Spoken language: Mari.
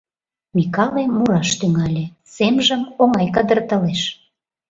Микале мураш тӱҥале, семжым оҥай кадыртылеш: